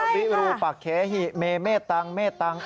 วินูปะเทฮีเมเมตังเมตัง